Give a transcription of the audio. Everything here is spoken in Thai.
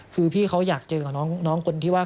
คือพี่เขาอยากเจอกับน้องคนที่ว่า